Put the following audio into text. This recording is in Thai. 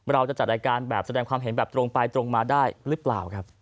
เราจะจัดรายการแบบแสดงความเห็นแบบตรงไปตรงมาได้หรือเปล่าครับ